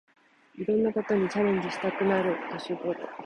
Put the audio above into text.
いろんなことにチャレンジしたくなる年ごろ